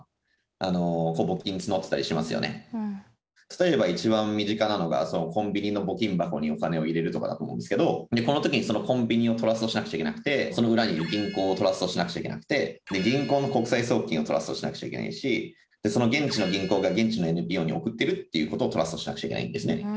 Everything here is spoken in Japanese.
例えば一番身近なのがコンビニの募金箱にお金を入れるとかだと思うんですけどこの時にそのコンビニをトラストしなくちゃいけなくてその裏にいる銀行をトラストしなくちゃいけなくてで銀行の国際送金をトラストしなくちゃいけないしその現地の銀行が現地のＮＰＯに送ってるっていうことをトラストしなくちゃいけないんですね。